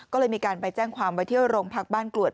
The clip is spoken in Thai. ก็เลยมีการไปแจ้งความไว้ที่โรงพักบ้านกรวด